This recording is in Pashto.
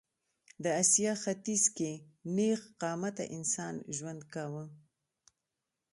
د اسیا ختیځ کې نېغ قامته انسان ژوند کاوه.